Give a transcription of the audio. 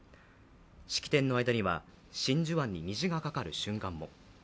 式典の間には真珠湾に虹が架かる瞬間も。